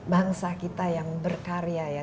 bangsa kita yang berkarya ya